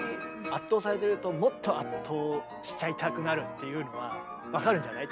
圧倒されてるともっと圧倒しちゃいたくなるっていうのは分かるんじゃない？